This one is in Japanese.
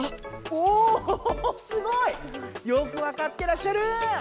おすごい！よくわかってらっしゃる。